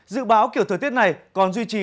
dự báo kiểu thời tiết này còn duy trì